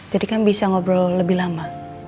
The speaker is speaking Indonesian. jadi kan bisa ngobrol lebih lama